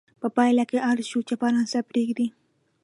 په پایله کې اړ شو چې فرانسه پرېږدي.